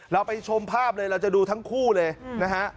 เราไปชมภาพเลยเราจะดูทั้งคู่เลยนะฮะ